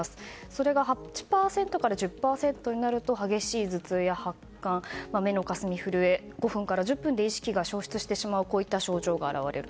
それが８％から１０％になると激しい頭痛や発汗目のかすみ、震え５分から１０分で意識が消失してしまう症状が現れる。